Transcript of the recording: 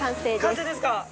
完成ですか。